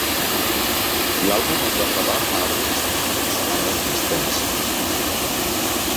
L'àlbum es va gravar a Ardent Studios, a Memphis, Tennessee.